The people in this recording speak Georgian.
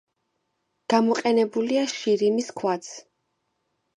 გამოყენებულია შირიმის ქვაც.